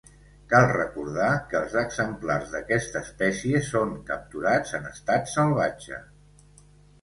Cal recordar que els exemplars d'aquesta espècie són capturats en estat salvatge.